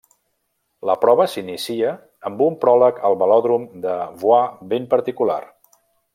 La prova s'inicia amb un pròleg al velòdrom de Bois ben particular.